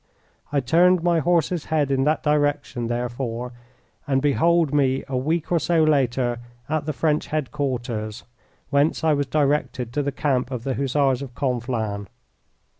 I turned my horse's head in that direction, therefore, and behold me a week or so later at the French headquarters, whence I was directed to the camp of the Hussars of Conflans.